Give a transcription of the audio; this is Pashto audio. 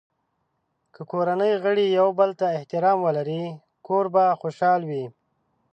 که کورنۍ غړي یو بل ته احترام ولري، کور به خوشحال وي.